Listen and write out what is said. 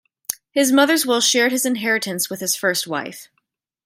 His mother's will shared his inheritance with his first wife.